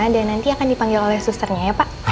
dan nanti akan dipanggil oleh susternya ya pak